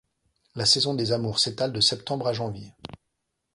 La saison des amours s'étale de septembre à janvier.